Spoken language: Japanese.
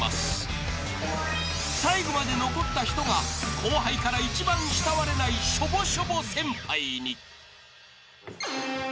［最後まで残った人が後輩から一番慕われないしょぼしょぼ先輩に］